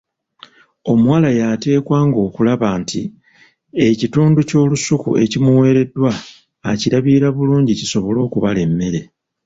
Omuwala yateekwa ng’okulaba nti ekitundu ky’olusuku ekimuweereddwa akirabirira bulungi kisobole okubala emmere.